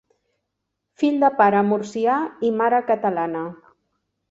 Fill de pare murcià i mare catalana.